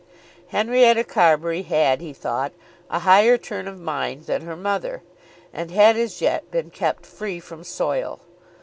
Henrietta Carbury had, he thought, a higher turn of mind than her mother, and had as yet been kept free from soil.